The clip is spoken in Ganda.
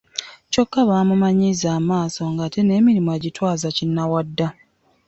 Kyokka baamumanyiiza amaaso ng'ate n'emirimu agitwaza kinnawadda.